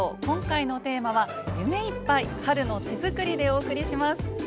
今回のテーマは「夢いっぱい春の手作り」でお送りします。